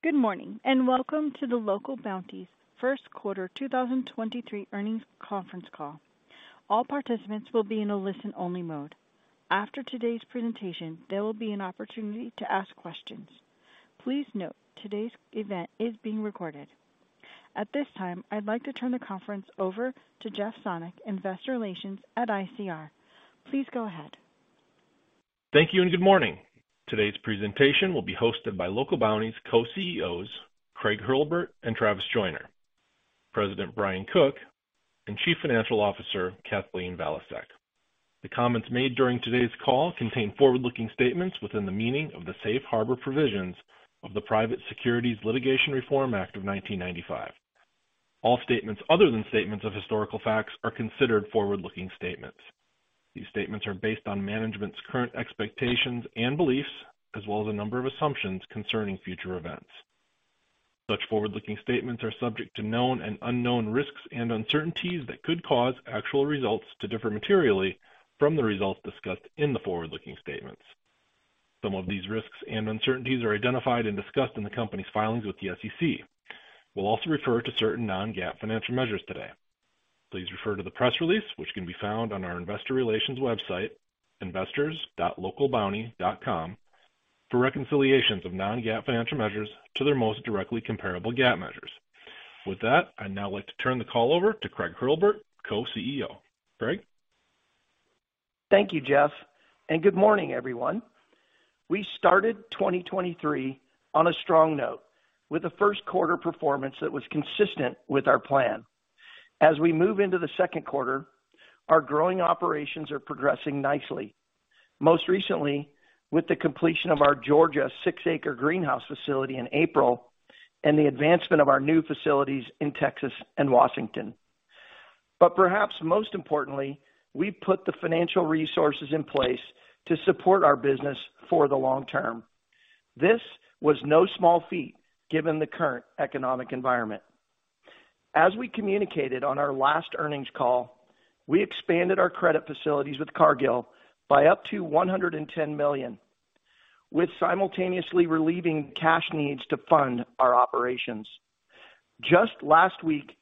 Good morning, and welcome to the Local Bounti's first quarter 2023 earnings conference call. All participants will be in a listen-only mode. After today's presentation, there will be an opportunity to ask questions. Please note, today's event is being recorded. At this time, I'd like to turn the conference over to Jeff Sonnek, Investor Relations at ICR. Please go ahead. Thank you and good morning. Today's presentation will be hosted by Local Bounti Co-CEOs Craig Hurlbert and Travis Joyner, President Brian Cook, and Chief Financial Officer Kathleen Valiasek. The comments made during today's call contain forward-looking statements within the meaning of the Safe Harbor Provisions of the Private Securities Litigation Reform Act of 1995. All statements other than statements of historical facts are considered forward-looking statements. These statements are based on management's current expectations and beliefs as well as a number of assumptions concerning future events. Such forward-looking statements are subject to known and unknown risks and uncertainties that could cause actual results to differ materially from the results discussed in the forward-looking statements. Some of these risks and uncertainties are identified and discussed in the company's filings with the SEC. We'll also refer to certain non-GAAP financial measures today. Please refer to the press release, which can be found on our investor relations website, investors.localbounti.com for reconciliations of non-GAAP financial measures to their most directly comparable GAAP measures. With that, I'd now like to turn the call over to Craig Hurlbert, Co-CEO. Craig. Thank you, Jeff. Good morning, everyone. We started 2023 on a strong note with a first quarter performance that was consistent with our plan. As we move into the second quarter, our growing operations are progressing nicely, most recently with the completion of our Georgia 6-acre greenhouse facility in April and the advancement of our new facilities in Texas and Washington. Perhaps most importantly, we put the financial resources in place to support our business for the long term. This was no small feat given the current economic environment. As we communicated on our last earnings call, we expanded our credit facilities with Cargill by up to $110 million, with simultaneously relieving cash needs to fund our operations. Just last week,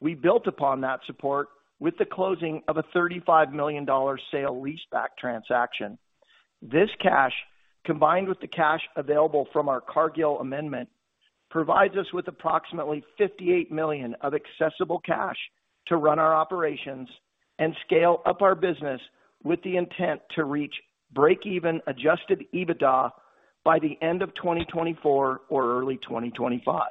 we built upon that support with the closing of a $35 million sale leaseback transaction. This cash, combined with the cash available from our Cargill amendment, provides us with approximately $58 million of accessible cash to run our operations and scale up our business with the intent to reach break-even adjusted EBITDA by the end of 2024 or early 2025.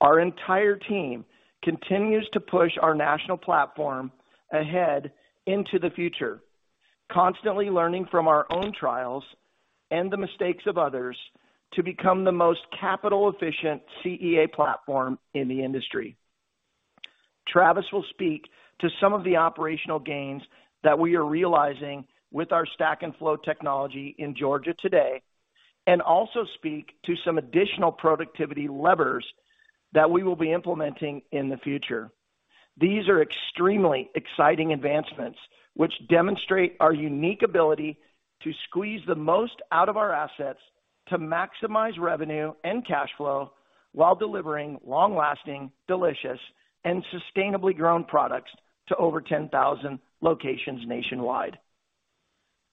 Our entire team continues to push our national platform ahead into the future, constantly learning from our own trials and the mistakes of others to become the most capital efficient CEA platform in the industry. Travis will speak to some of the operational gains that we are realizing with our Stack & Flow Technology in Georgia today, and also speak to some additional productivity levers that we will be implementing in the future. These are extremely exciting advancements, which demonstrate our unique ability to squeeze the most out of our assets to maximize revenue and cash flow while delivering long-lasting delicious and sustainably grown products to over 10,000 locations nationwide.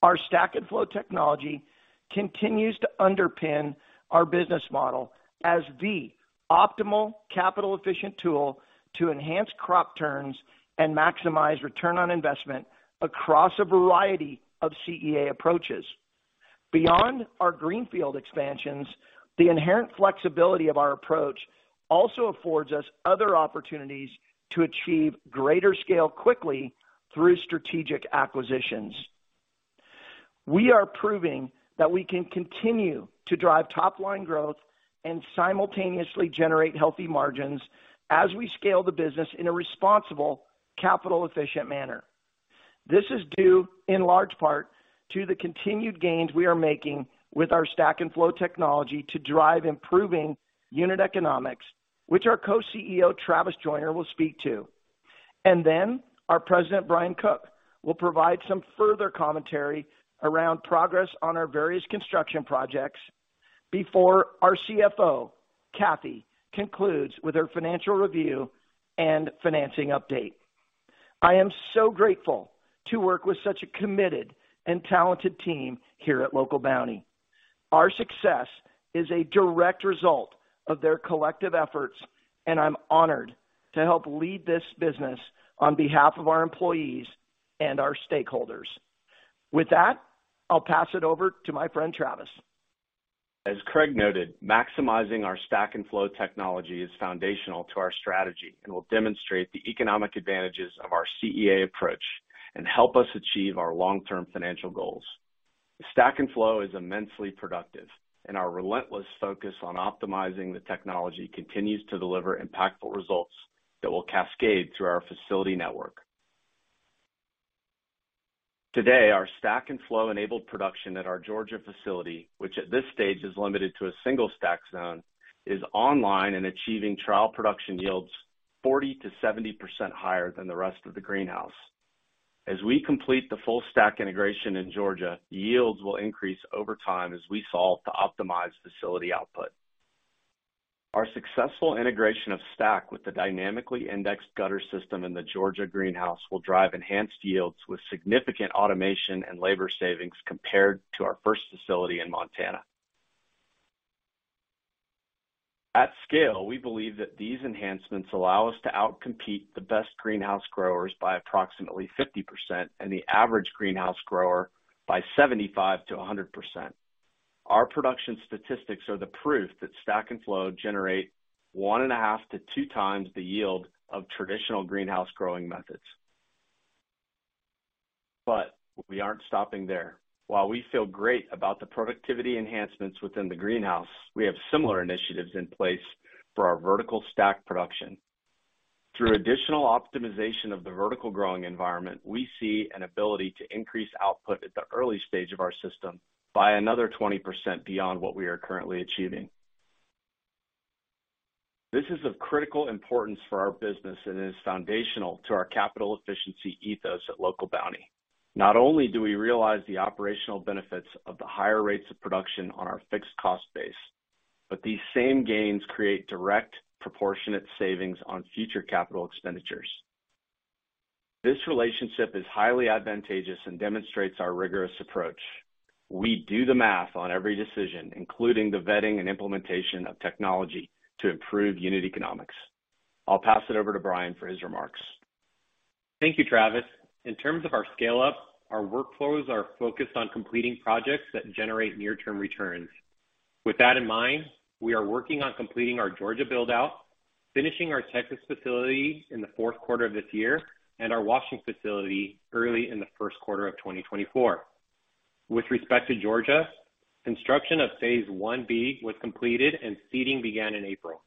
Our Stack & Flow Technology continues to underpin our business model as the optimal capital efficient tool to enhance crop turns and maximize return on investment across a variety of CEA approaches. Beyond our greenfield expansions, the inherent flexibility of our approach also affords us other opportunities to achieve greater scale quickly through strategic acquisitions. We are proving that we can continue to drive top-line growth and simultaneously generate healthy margins as we scale the business in a responsible, capital efficient manner. This is due in large part to the continued gains we are making with our Stack & Flow Technology to drive improving unit economics, which our Co-CEO, Travis Joyner, will speak to. Our President, Brian Cook, will provide some further commentary around progress on our various construction projects before our CFO, Kathy, concludes with her financial review and financing update. I am so grateful to work with such a committed and talented team here at Local Bounti. Our success is a direct result of their collective efforts, and I'm honored to help lead this business on behalf of our employees and our stakeholders. With that, I'll pass it over to my friend, Travis. As Craig noted, maximizing our Stack & Flow Technology is foundational to our strategy and will demonstrate the economic advantages of our CEA approach and help us achieve our long-term financial goals. The Stack & Flow is immensely productive, and our relentless focus on optimizing the technology continues to deliver impactful results that will cascade through our facility network. Today, our Stack & Flow-enabled production at our Georgia facility, which at this stage is limited to a single Stack zone, is online and achieving trial production yields 40%-70% higher than the rest of the greenhouse. As we complete the full Stack integration in Georgia, yields will increase over time as we solve to optimize facility output. Our successful integration of Stack with the dynamically indexed gutter system in the Georgia greenhouse will drive enhanced yields with significant automation and labor savings compared to our first facility in Montana. At scale, we believe that these enhancements allow us to out-compete the best greenhouse growers by approximately 50% and the average greenhouse grower by 75%-100%. Our production statistics are the proof that Stack and Flow generate 1.5x-2x the yield of traditional greenhouse growing methods. We aren't stopping there. While we feel great about the productivity enhancements within the greenhouse, we have similar initiatives in place for our vertical Stack production. Through additional optimization of the vertical growing environment, we see an ability to increase output at the early stage of our system by another 20% beyond what we are currently achieving. This is of critical importance for our business and is foundational to our capital efficiency ethos at Local Bounti. Not only do we realize the operational benefits of the higher rates of production on our fixed cost base, but these same gains create direct proportionate savings on future capital expenditures. This relationship is highly advantageous and demonstrates our rigorous approach. We do the math on every decision, including the vetting and implementation of technology to improve unit economics. I'll pass it over to Brian for his remarks. Thank you, Travis. In terms of our scale-up, our workflows are focused on completing projects that generate near-term returns. With that in mind, we are working on completing our Georgia build-out, finishing our Texas facility in the fourth quarter of this year and our Washington facility early in the first quarter of 2024. With respect to Georgia, construction of phase I-B was completed and seeding began in April.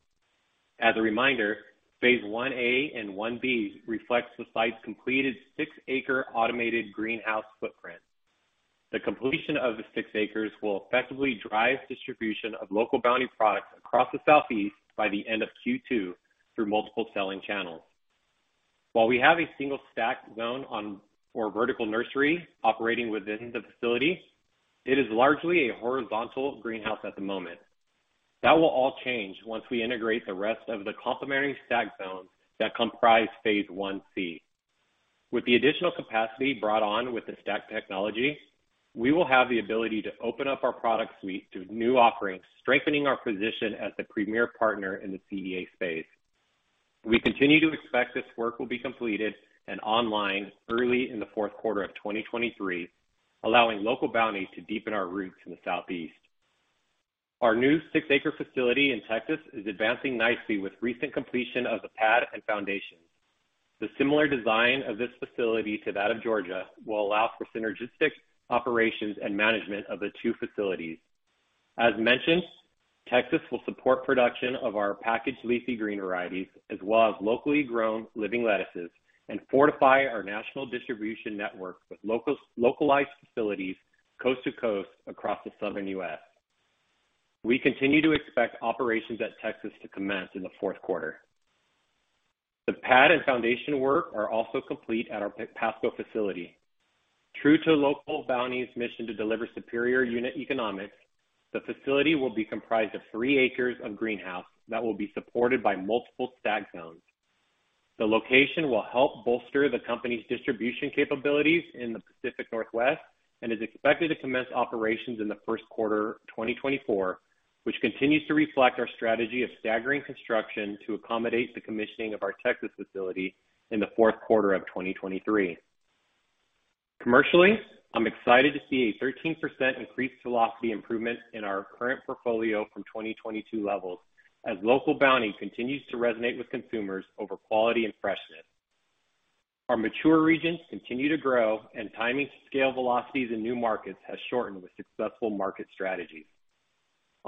As a reminder, phase I-A and phase I-B reflects the site's completed 6-acre automated greenhouse footprint. The completion of the 6-acres will effectively drive distribution of Local Bounti products across the Southeast by the end of Q2 through multiple selling channels. While we have a single Stack zone or vertical nursery operating within the facility, it is largely a horizontal greenhouse at the moment. That will all change once we integrate the rest of the complementary Stack zones that comprise phase I-C. With the additional capacity brought on with the Stack technology, we will have the ability to open up our product suite to new offerings, strengthening our position as the premier partner in the CEA space. We continue to expect this work will be completed and online early in the fourth quarter of 2023, allowing Local Bounti to deepen our roots in the Southeast. Our new 6-acre facility in Texas is advancing nicely with recent completion of the pad and foundations. The similar design of this facility to that of Georgia will allow for synergistic operations and management of the two facilities. As mentioned, Texas will support production of our packaged leafy green varieties, as well as locally grown living lettuces, and fortify our national distribution network with localized facilities coast to coast across the Southern U.S. We continue to expect operations at Texas to commence in the fourth quarter. The pad and foundation work are also complete at our Pasco facility. True to Local Bounti's mission to deliver superior unit economics, the facility will be comprised of 3 acres of greenhouse that will be supported by multiple Stack zones. The location will help bolster the company's distribution capabilities in the Pacific Northwest and is expected to commence operations in the first quarter of 2024, which continues to reflect our strategy of staggering construction to accommodate the commissioning of our Texas facility in the fourth quarter of 2023. Commercially, I'm excited to see a 13% increased velocity improvement in our current portfolio from 2022 levels as Local Bounti continues to resonate with consumers over quality and freshness. Our mature regions continue to grow, and timing to scale velocities in new markets has shortened with successful market strategies.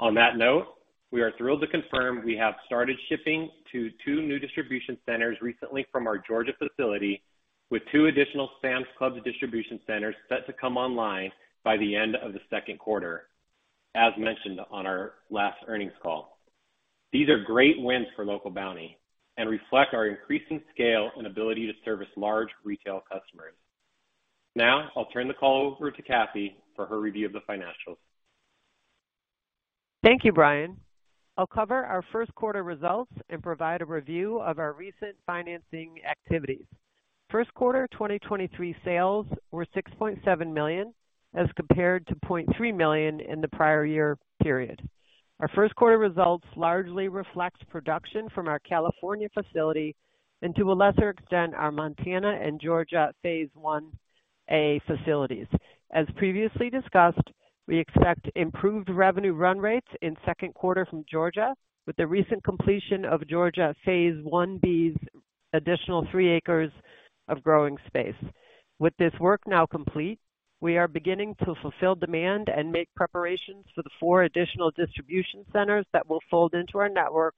On that note, we are thrilled to confirm we have started shipping to two new distribution centers recently from our Georgia facility, with two additional Sam's Club distribution centers set to come online by the end of the second quarter, as mentioned on our last earnings call. These are great wins for Local Bounti and reflect our increasing scale and ability to service large retail customers. Now I'll turn the call over to Kathy for her review of the financials. Thank you, Brian. I'll cover our first quarter results and provide a review of our recent financing activities. First quarter 2023 sales were $6.7 million, as compared to $0.3 million in the prior year period. Our first quarter results largely reflects production from our California facility and to a lesser extent, our Montana and Georgia phase I-A facilities. As previously discussed, we expect improved revenue run rates in second quarter from Georgia with the recent completion of Georgia phase I-B's additional 3 acres of growing space. With this work now complete, we are beginning to fulfill demand and make preparations for the four additional distribution centers that will fold into our network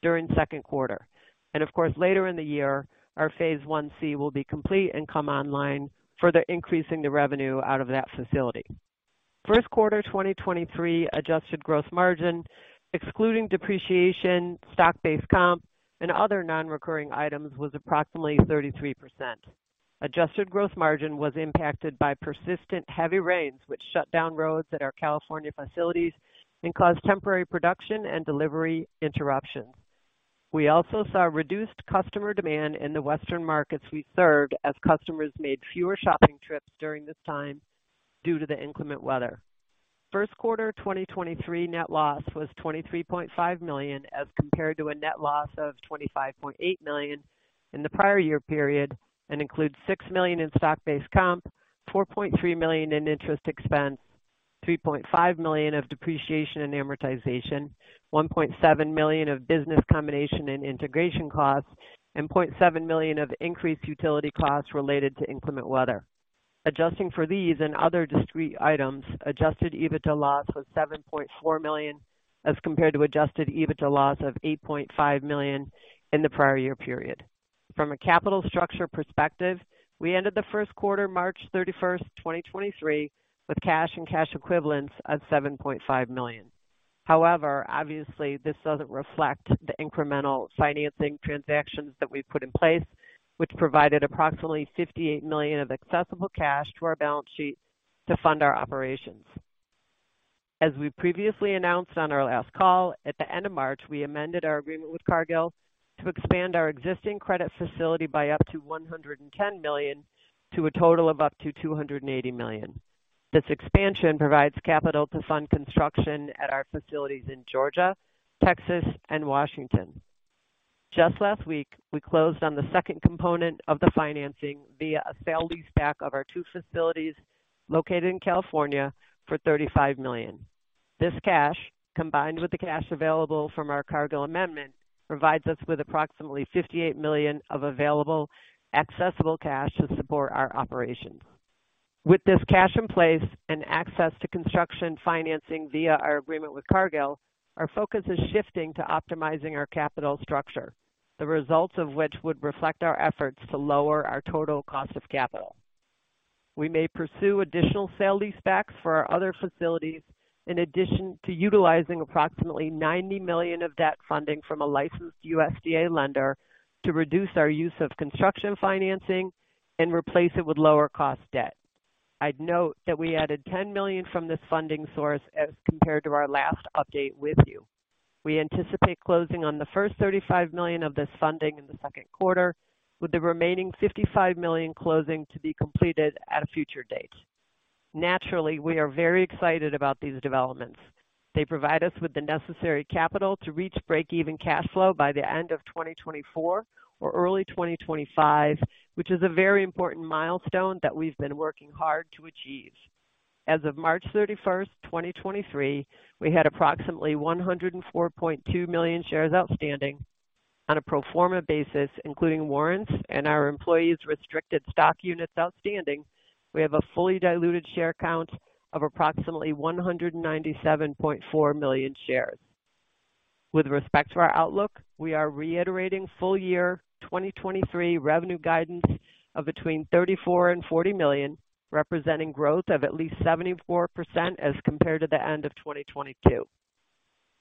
during second quarter. Of course, later in the year, our phase I-C will be complete and come online, further increasing the revenue out of that facility. First quarter 2023 adjusted gross margin, excluding depreciation, stock-based comp, and other non-recurring items was approximately 33%. Adjusted gross margin was impacted by persistent heavy rains, which shut down roads at our California facilities and caused temporary production and delivery interruptions. We also saw reduced customer demand in the Western markets we served as customers made fewer shopping trips during this time due to the inclement weather. First quarter 2023 net loss was $23.5 million, as compared to a net loss of $25.8 million in the prior year period and includes $6 million in stock-based comp, $4.3 million in interest expense, $3.5 million of depreciation and amortization, $1.7 million of business combination and integration costs, and $0.7 million of increased utility costs related to inclement weather. Adjusting for these and other discrete items, adjusted EBITDA loss was $7.4 million as compared to adjusted EBITDA loss of $8.5 million in the prior year period. From a capital structure perspective, we ended the first quarter, March 31st, 2023, with cash and cash equivalents of $7.5 million. Obviously, this doesn't reflect the incremental financing transactions that we've put in place, which provided approximately $58 million of accessible cash to our balance sheet to fund our operations. We previously announced on our last call, at the end of March, we amended our agreement with Cargill to expand our existing credit facility by up to $110 million to a total of up to $280 million. This expansion provides capital to fund construction at our facilities in Georgia, Texas, and Washington. Just last week, we closed on the second component of the financing via a sale leaseback of our two facilities located in California for $35 million. This cash, combined with the cash available from our Cargill amendment, provides us with approximately $58 million of available accessible cash to support our operations. With this cash in place and access to construction financing via our agreement with Cargill, our focus is shifting to optimizing our capital structure, the results of which would reflect our efforts to lower our total cost of capital. We may pursue additional sale leasebacks for our other facilities in addition to utilizing approximately $90 million of debt funding from a licensed USDA lender to reduce our use of construction financing and replace it with lower cost debt. I'd note that we added $10 million from this funding source as compared to our last update with you. We anticipate closing on the first $35 million of this funding in the second quarter, with the remaining $55 million closing to be completed at a future date. Naturally, we are very excited about these developments. They provide us with the necessary capital to reach break-even cash flow by the end of 2024 or early 2025, which is a very important milestone that we've been working hard to achieve. As of March 31, 2023, we had approximately 104.2 million shares outstanding on a pro forma basis, including warrants and our employees restricted stock units outstanding. We have a fully diluted share count of approximately 197.4 million shares. With respect to our outlook, we are reiterating full year 2023 revenue guidance of between $34 million-$40 million, representing growth of at least 74% as compared to the end of 2022.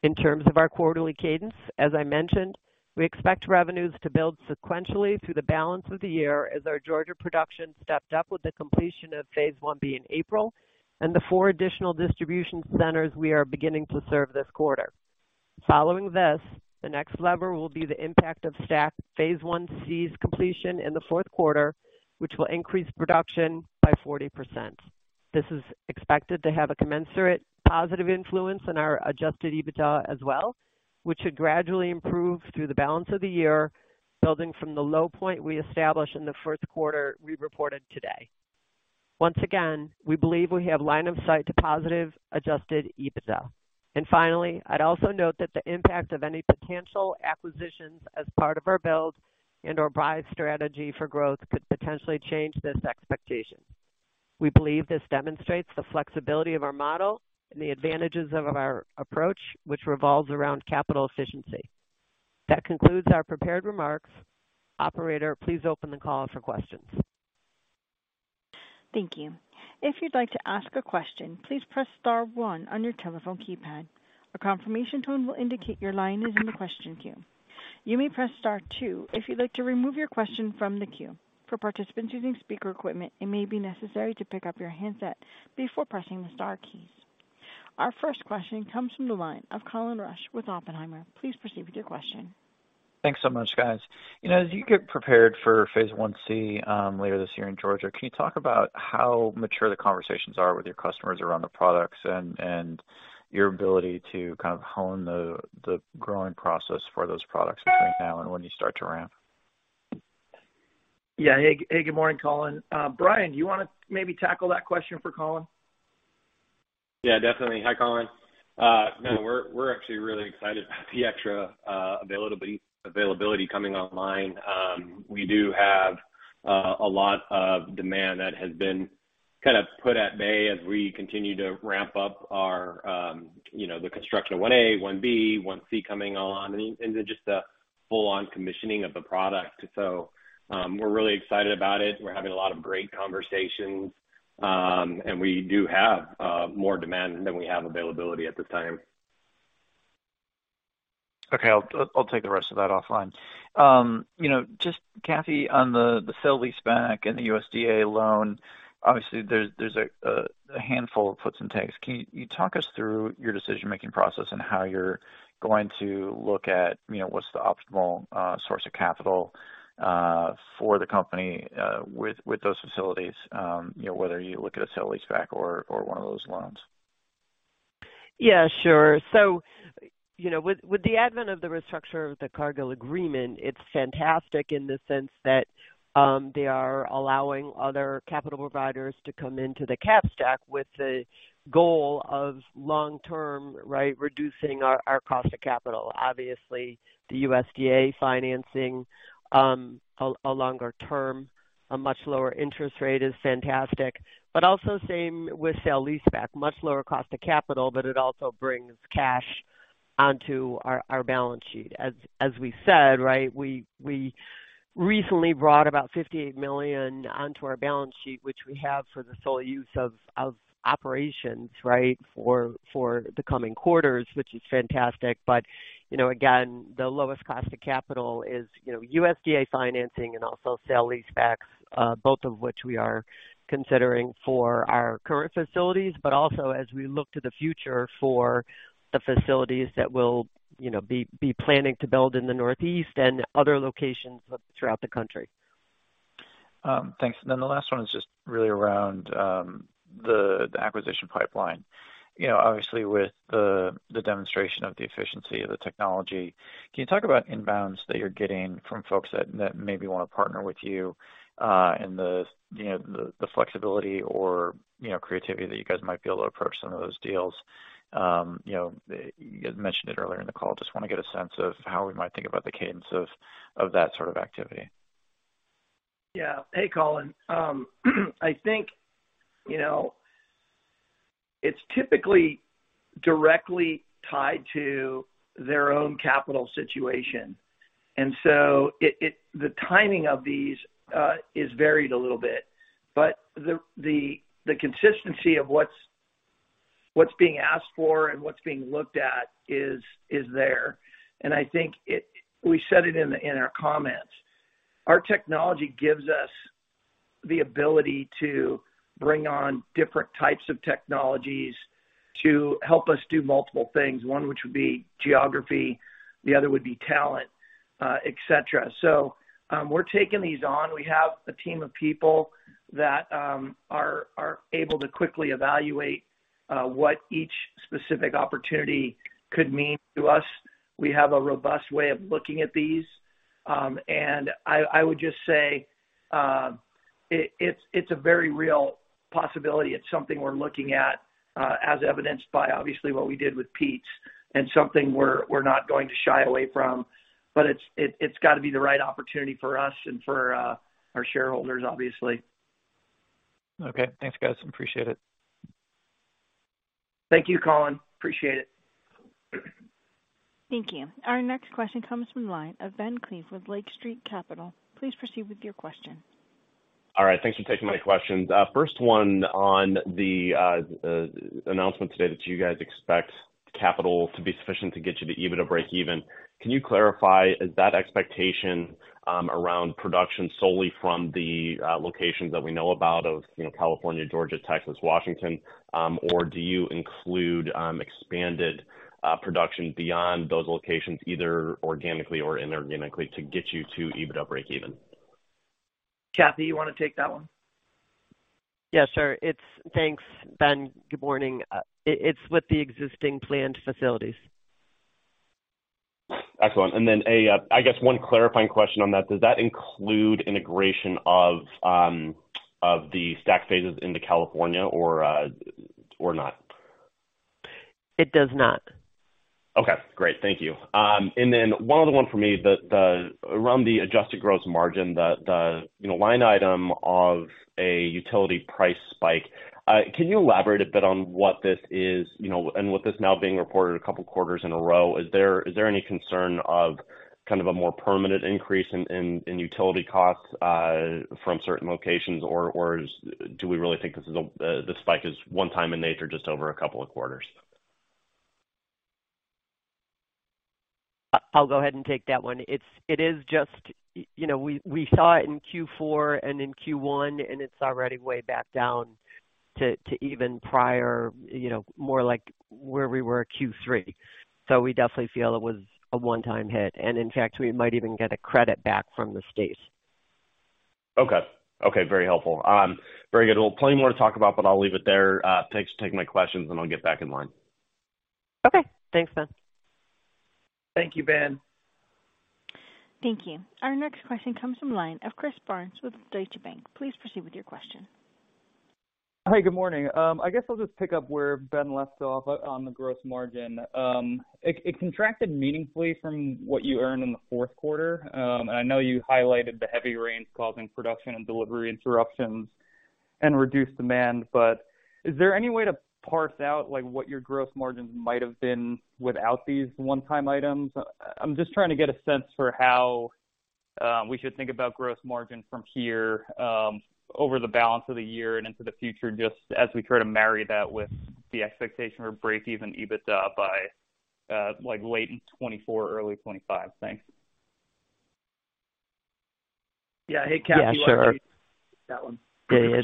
In terms of our quarterly cadence, as I mentioned, we expect revenues to build sequentially through the balance of the year as our Georgia production stepped up with the completion of phase I-B in April and the four additional distribution centers we are beginning to serve this quarter. Following this, the next lever will be the impact of Stack phase I-C's completion in the fourth quarter, which will increase production by 40%. This is expected to have a commensurate positive influence on our adjusted EBITDA as well, which should gradually improve through the balance of the year building from the low point we established in the first quarter we reported today. Once again, we believe we have line of sight to positive adjusted EBITDA. Finally, I'd also note that the impact of any potential acquisitions as part of our build and/or buy strategy for growth could potentially change this expectation. We believe this demonstrates the flexibility of our model and the advantages of our approach, which revolves around capital efficiency. That concludes our prepared remarks. Operator, please open the call for questions. Thank you. If you'd like to ask a question, please press star one on your telephone keypad. A confirmation tone will indicate your line is in the question queue. You may press star two if you'd like to remove your question from the queue. For participants using speaker equipment, it may be necessary to pick up your handset before pressing the star keys. Our first question comes from the line of Colin Rusch with Oppenheimer. Please proceed with your question. Thanks so much, guys. You know, as you get prepared for phase I-C, later this year in Georgia, can you talk about how mature the conversations are with your customers around the products and your ability to kind of hone the growing process for those products between now and when you start to ramp? Yeah. Hey, good morning, Colin. Brian, do you wanna maybe tackle that question for Colin? Yeah, definitely. Hi, Colin. No, we're actually really excited about the extra availability coming online. We do have a lot of demand that has been kind of put at bay as we continue to ramp up our, you know, the construction of phase I-A, phase I-B, phase I-C coming on and then just thefull on commissioning of the product. We're really excited about it. We're having a lot of great conversations. We do have more demand than we have availability at this time. Okay. I'll take the rest of that offline. You know, just Kathy on the sale leaseback and the USDA loan, obviously there's a handful of puts and takes. Can you talk us through your decision-making process and how you're going to look at, you know, what's the optimal source of capital for the company with those facilities, you know, whether you look at a sale leaseback or one of those loans? Sure. You know, with the advent of the restructure of the Cargill agreement, it's fantastic in the sense that they are allowing other capital providers to come into the cap stack with the goal of long-term, right, reducing our cost of capital. Obviously, the USDA financing, a longer term, a much lower interest rate is fantastic. Also same with sale leaseback, much lower cost of capital, but it also brings cash onto our balance sheet. As we said, right, we recently brought about $58 million onto our balance sheet, which we have for the sole use of operations, right, for the coming quarters, which is fantastic. You know, again, the lowest cost of capital is, you know, USDA financing and also sale leasebacks, both of which we are considering for our current facilities, but also as we look to the future for the facilities that we'll, you know, be planning to build in the Northeast and other locations throughout the country. Thanks. The last one is just really around the acquisition pipeline. You know, obviously with the demonstration of the efficiency of the technology, can you talk about inbounds that you're getting from folks that maybe wanna partner with you, and the, you know, the flexibility or, you know, creativity that you guys might be able to approach some of those deals? You know, you mentioned it earlier in the call. Just wanna get a sense of how we might think about the cadence of that sort of activity. Yeah. Hey, Colin. I think, you know, it's typically directly tied to their own capital situation. The timing of these is varied a little bit, but the consistency of what's being asked for and what's being looked at is there. We said it in our comments. Our technology gives us the ability to bring on different types of technologies to help us do multiple things, one which would be geography, the other would be talent, et cetera. We're taking these on. We have a team of people that are able to quickly evaluate what each specific opportunity could mean to us. We have a robust way of looking at these. I would just say, it's a very real possibility. It's something we're looking at, as evidenced by obviously what we did with Pete's and something we're not going to shy away from, but it's gotta be the right opportunity for us and for our shareholders, obviously. Okay. Thanks, guys. Appreciate it. Thank you, Colin. Appreciate it. Thank you. Our next question comes from the line of Ben Klieve with Lake Street Capital. Please proceed with your question. All right. Thanks for taking my questions. First one on the announcement today that you guys expect capital to be sufficient to get you to EBITDA breakeven. Can you clarify, is that expectation around production solely from the locations that we know about of, you know, California, Georgia, Texas, Washington? Do you include expanded production beyond those locations, either organically or inorganically, to get you to EBITDA breakeven? Kathy, you wanna take that one? Yeah, sure. Thanks, Ben. Good morning. It's with the existing planned facilities. Excellent. I guess one clarifying question on that. Does that include integration of the stack phases into California or not? It does not. Okay, great. Thank you. One other one for me. The around the adjusted gross margin, the, you know, line item of a utility price spike, can you elaborate a bit on what this is, you know, and with this now being reported a couple quarters in a row, is there any concern of kind of a more permanent increase in utility costs from certain locations or do we really think this is a, this spike is one time in nature just over a couple of quarters? I'll go ahead and take that one. It is just, you know, we saw it in Q4 and in Q1. It's already way back down to even prior, you know, more like where we were Q3. We definitely feel it was a one-time hit. In fact, we might even get a credit back from the state. Okay. Okay, very helpful. Very good. Well, plenty more to talk about, but I'll leave it there. Thanks for taking my questions, and I'll get back in line. Okay. Thanks, Ben. Thank you, Ben. Thank you. Our next question comes from line of Christopher Barnes with Deutsche Bank. Please proceed with your question. Hi, good morning. I guess I'll just pick up where Ben left off on the gross margin. It contracted meaningfully from what you earned in the fourth quarter. I know you highlighted the heavy rains causing production and delivery interruptions and reduce demand. Is there any way to parse out, like, what your gross margins might have been without these one-time items? I'm just trying to get a sense for how we should think about gross margin from here over the balance of the year and into the future, just as we try to marry that with the expectation or breakeven EBITDA by, like, late in 2024, early 2025. Thanks. Yeah. Hey, Kathy. Yeah, sure. Why don't you take that one? Yeah,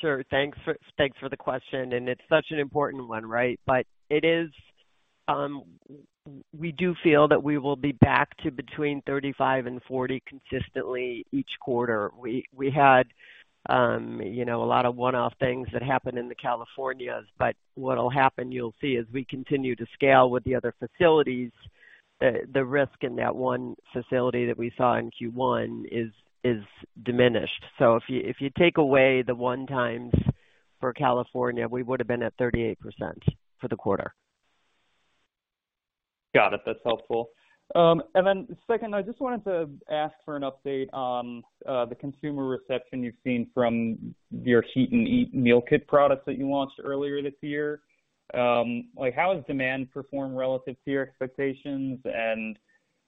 sure. Thanks for, thanks for the question, and it's such an important one, right? We do feel that we will be back to between 35% and 40% consistently each quarter. We had, you know, a lot of one-off things that happened in the Californias. What'll happen, you'll see as we continue to scale with the other facilities, the risk in that one facility that we saw in Q1 is diminished. If you take away the one times for California, we would have been at 38% for the quarter. Got it. That's helpful. Second, I just wanted to ask for an update on the consumer reception you've seen from your Heat and Eat meal kit products that you launched earlier this year. How has demand performed relative to your expectations?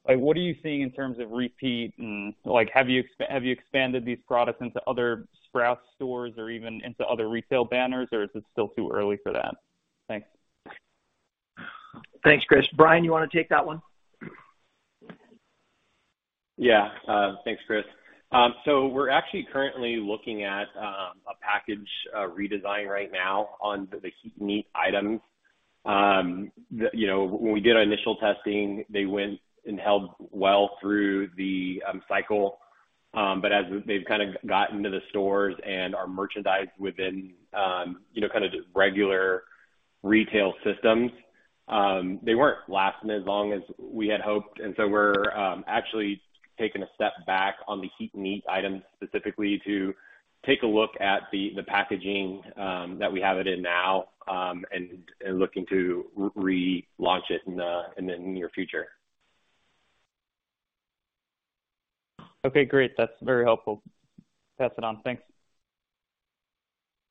What are you seeing in terms of repeat and have you expanded these products into other Sprouts stores or even into other retail banners, or is it still too early for that? Thanks. Thanks, Chris. Brian, you wanna take that one? Yeah. Thanks, Chris. We're actually currently looking at a package redesign right now on the Heat and Eat items. You know, when we did our initial testing, they went and held well through the cycle. As they've kinda gotten to the stores and are merchandised within, you know, kind of regular retail systems, they weren't lasting as long as we had hoped. We're actually taking a step back on the Heat and Eat items specifically to take a look at the packaging that we have it in now and looking to relaunch it in the near future. Okay, great. That's very helpful. Pass it on. Thanks.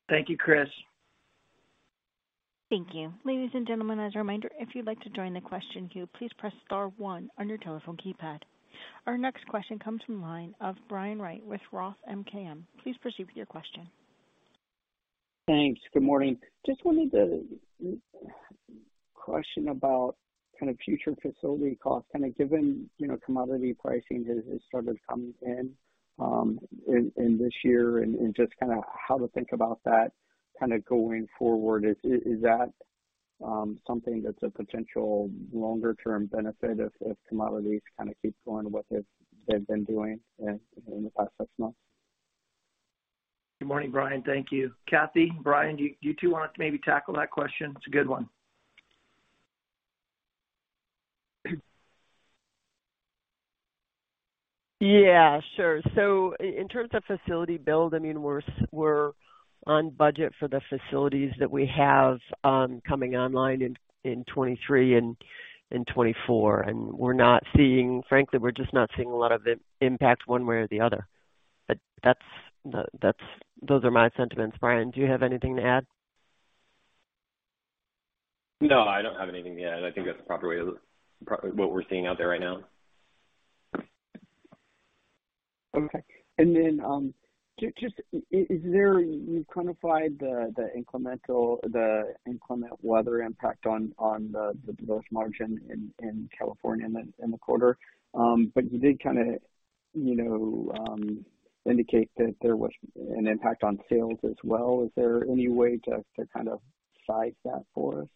Thank you, Chris. Thank you. Ladies and gentlemen, as a reminder, if you'd like to join the question queue, please press star one on your telephone keypad. Our next question comes from line of Brian Wright with ROTH MKM. Please proceed with your question. Thanks. Good morning. Just wanted to question about kind of future facility costs, kind of given, you know, commodity pricing has started coming in this year and just kinda how to think about that kinda going forward. Is that something that's a potential longer term benefit if commodities kinda keep going what they've been doing in the past six months? Good morning, Brian. Thank you. Kathy, Brian, do you two want to maybe tackle that question? It's a good one. Yeah, sure. In terms of facility build, I mean, we're on budget for the facilities that we have, coming online in 2023 and in 2024, frankly, we're just not seeing a lot of impact one way or the other. That's the, those are my sentiments. Brian, do you have anything to add? No, I don't have anything to add. I think that's the proper way to what we're seeing out there right now. Okay. You've quantified the incremental, the inclement weather impact on the gross margin in California in the quarter. But you did kinda, you know, indicate that there was an impact on sales as well. Is there any way to kind of size that for us?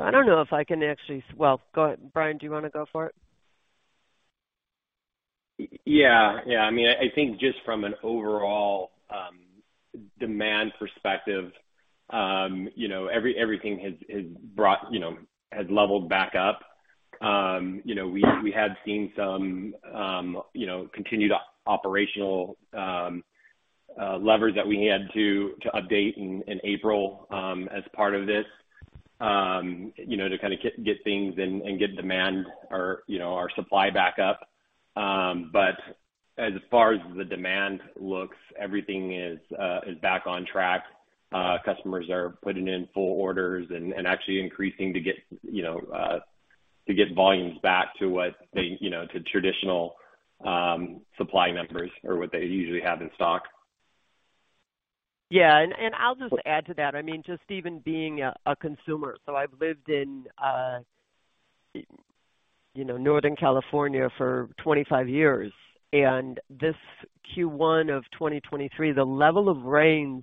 I don't know if I can actually. Well, go ahead. Brian, do you wanna go for it? Yeah, yeah. I mean, I think just from an overall demand perspective, you know, everything has brought, you know, has leveled back up. You know, we had seen some, you know, continued operational levers that we had to update in April as part of this. You know, to kinda get things and get demand or, you know, our supply back up. As far as the demand looks, everything is back on track. Customers are putting in full orders and actually increasing to get, you know, to get volumes back to what they, you know, to traditional supply members or what they usually have in stock. Yeah. I'll just add to that. I mean, just even being a consumer, so I've lived in, you know, Northern California for 25 years. This Q1 of 2023, the level of rains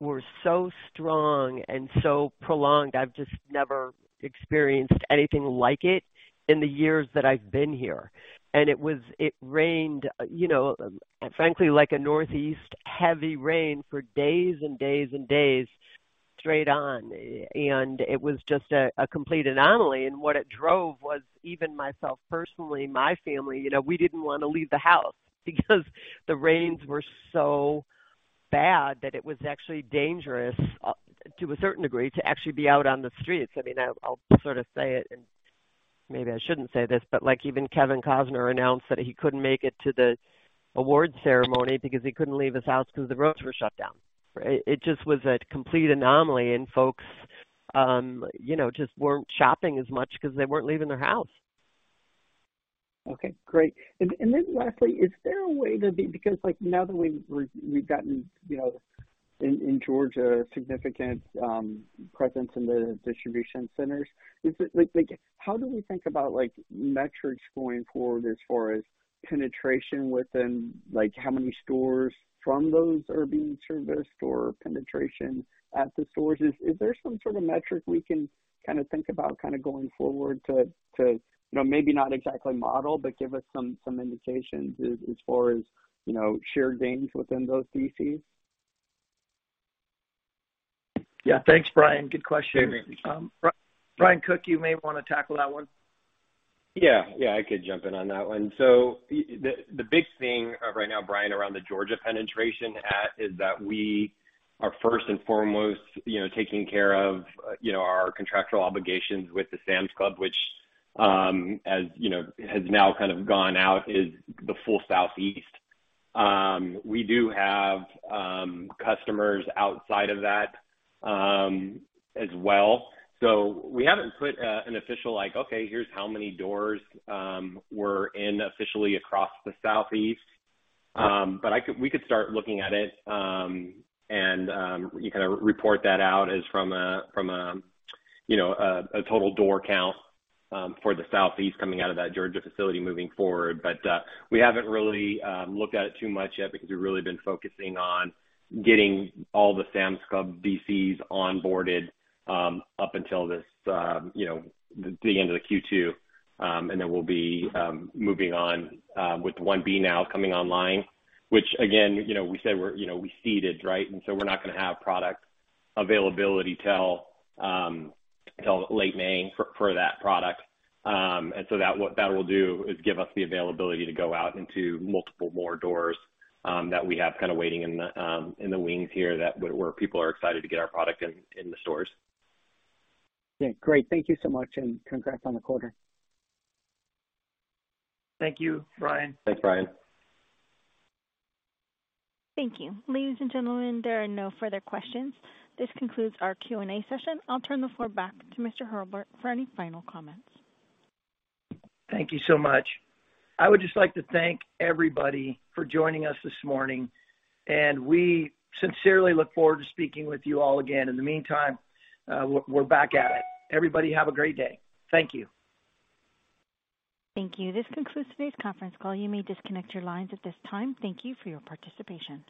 were so strong and so prolonged, I've just never experienced anything like it in the years that I've been here. It rained, you know, frankly, like a Northeast heavy rain for days and days and days straight on. And it was just a complete anomaly. What it drove was even myself, personally, my family, you know, we didn't wanna leave the house because the rains were so bad that it was actually dangerous, to a certain degree, to actually be out on the streets. I mean, I'll sort of say it and Maybe I shouldn't say this, but like even Kevin Costner announced that he couldn't make it to the awards ceremony because he couldn't leave his house because the roads were shut down. It just was a complete anomaly and folks, you know, just weren't shopping as much because they weren't leaving their house. Okay, great. Then lastly, is there a way because like now that we've gotten, you know, in Georgia, significant presence in the distribution centers, is it like how do we think about like metrics going forward as far as penetration within, like how many stores from those are being served or store penetration at the stores? Is there some sort of metric we can kinda think about going forward to, you know, maybe not exactly model, but give us some indications as far as, you know, share gains within those DCs? Yeah. Thanks, Brian. Good question. Brian Cook, you may wanna tackle that one. Yeah, I could jump in on that one. The big thing right now, Brian, around the Georgia penetration at is that we are first and foremost, you know, taking care of, you know, our contractual obligations with the Sam's Club, which, as you know, has now kind of gone out, is the full southeast. We do have customers outside of that as well. We haven't put an official like, "Okay, here's how many doors we're in officially across the southeast." But we could start looking at it, and you kinda report that out as from a, you know, a total door count for the southeast coming out of that Georgia facility moving forward. We haven't really looked at it too much yet because we've really been focusing on getting all the Sam's Club DCs onboarded, up until this, you know, the end of the Q2. Then we'll be moving on with I-B now coming online, which again, you know, we said we're, you know, we seeded, right? So we're not gonna have product availability till late May for that product. So what that will do is give us the availability to go out into multiple more doors, that we have kinda waiting in the in the wings here, that where people are excited to get our product in the stores. Yeah, great. Thank you so much, and congrats on the quarter. Thank you, Brian. Thanks, Brian. Thank you. Ladies and gentlemen, there are no further questions. This concludes our Q&A session. I'll turn the floor back to Mr. Hurlbert for any final comments. Thank you so much. I would just like to thank everybody for joining us this morning, and we sincerely look forward to speaking with you all again. In the meantime, we're back at it. Everybody, have a great day. Thank you. Thank you. This concludes today's conference call. You may disconnect your lines at this time. Thank you for your participation.